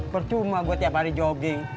bercuma gua tiap hari jogging